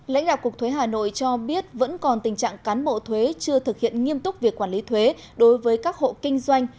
lãnh đạo cục thuế hà nội cho biết vẫn còn tình trạng cán bộ thuế chưa thực hiện nghiêm túc việc quản lý thuế đối với các hộ kinh doanh